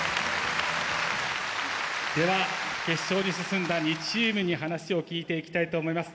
では決勝に進んだ２チームに話を聞いていきたいと思います。